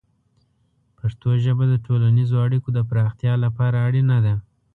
پښتو ژبه د ټولنیزو اړیکو د پراختیا لپاره اړینه ده.